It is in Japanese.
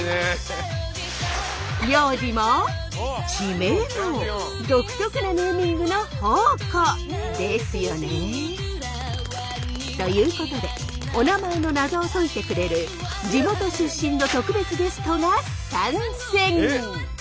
料理も地名も独特なネーミングの宝庫ですよね！ということでお名前のナゾを解いてくれる地元出身の特別ゲストが参戦！